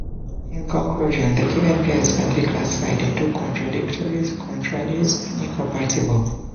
In conclusion, the given pairs can be classified into contradictories, contraries, and incompatible.